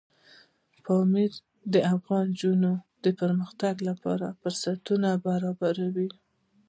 پامیر د افغان نجونو د پرمختګ لپاره فرصتونه برابروي.